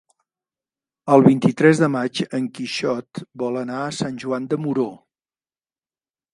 El vint-i-tres de maig en Quixot vol anar a Sant Joan de Moró.